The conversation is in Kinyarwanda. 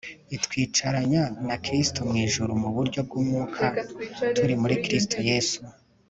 itwicaranya na kristo mw'ijuru mu buryo bw'umwuka turi muri kristo yesu